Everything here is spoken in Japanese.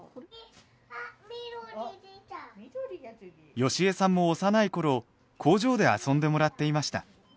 好江さんも幼い頃工場で遊んでもらっていました。